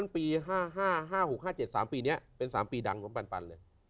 ปี๕๕๕๖๕๗เป็น๓ปีดังของปัน